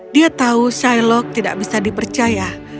dia tahu shilog tidak bisa dipercaya